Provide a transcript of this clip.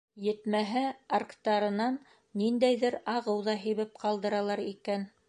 Етмәһә, аргтарынан ниндәйҙер ағыу ҙа һибеп ҡалдыралар икән.